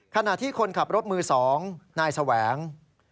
ขณะที่คนขับรถมือ๒นายแสวง